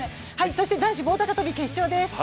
そして男子棒高跳決勝です。